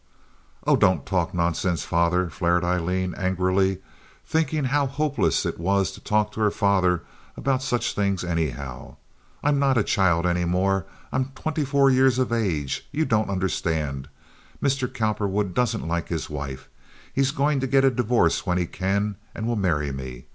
"Oh, don't talk nonsense, father," flared Aileen, angrily, thinking how hopeless it was to talk to her father about such things anyhow. "I'm not a child any more. I'm twenty four years of age. You just don't understand. Mr. Cowperwood doesn't like his wife. He's going to get a divorce when he can, and will marry me.